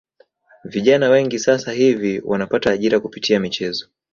Vijana wengi sasa hivi wanapata ajira kupitia michezo